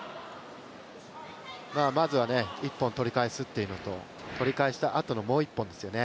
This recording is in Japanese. まずは１本取り返すというのと、取り返したあとのもう一本ですよね。